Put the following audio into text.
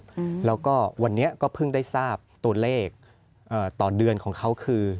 อืมแล้วก็วันนี้ก็เพิ่งได้ทราบตัวเลขเอ่อต่อเดือนของเขาคือ